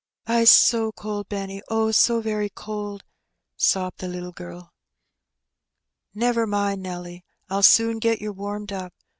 " I's so cold, Benny — oh, so very cold 1 " sobbed the little girl. "Never mind, Nelly, I'll soon get yer warmed up.